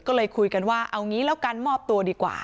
ก็เลยคุยกันว่าเอางี้แล้วกันมอบตัวดีกว่า